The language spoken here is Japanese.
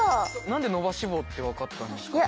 何で伸ばし棒って分かったんですか？